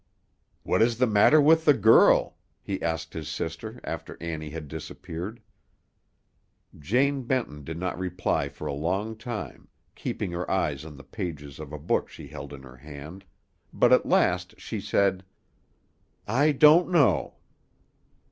"What is the matter with the girl?" he asked his sister after Annie had disappeared. Jane Benton did not reply for a long time, keeping her eyes on the pages of a book she held in her hand, but at last she said, "I don't know."